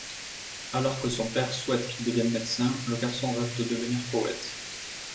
Alors que son père souhaite qu'il devienne médecin, le garçon rêve de devenir poète.